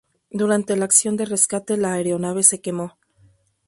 Durante la acción de rescate, la aeronave se quemó.